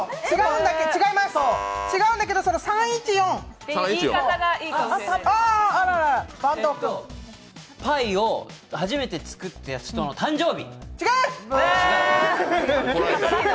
違うんだけど３１４っていう言い方はパイを初めて作った人の誕生日？違うっ！